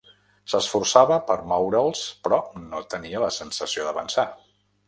S'esforçava per moure'ls però no tenia la sensació d'avançar.